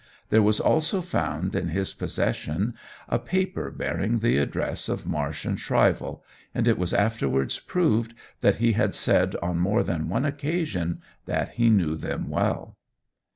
There was also found in his possession a paper bearing the address of Marsh and Shrivell, and it was afterwards proved that he had said on more than one occasion that he knew them well.